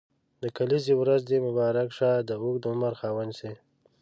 د کلیزي ورځ دي مبارک شه د اوږد عمر خاوند سي.